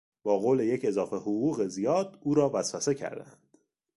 با قول یک اضافه حقوق زیاد او را وسوسه کردند.